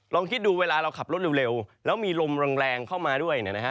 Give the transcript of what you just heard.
ลองคิดดูเวลาเราขับรถเร็วแล้วมีลมแรงเข้ามาด้วยเนี่ยนะฮะ